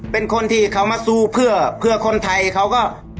เป็นคนที่เขามาสู้เพื่อคนไทยเขาก็